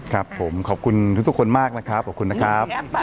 ครับผมขอบคุณทุกคนมากนะครับขอบคุณนะครับแอปไปแอปไป